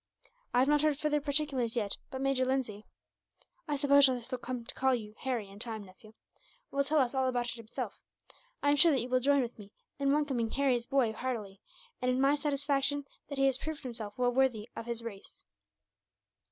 I have not heard further particulars yet, but Major Lindsay "I suppose I shall come to call you Harry, in time, nephew "Will tell us all about it, himself. I am sure that you will join with me in welcoming Harry's boy heartily, and in my satisfaction that he has proved himself well worthy of his race."